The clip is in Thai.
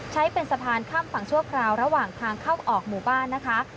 ใช้เป็นสะพานข้ามฝั่งชั่วคราวระหว่างทางเข้าออกหมู่บ้านนะคะ